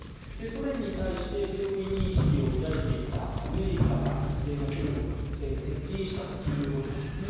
ソ連に対して脅威認識を抱いていたアメリカが中国に接近したということです。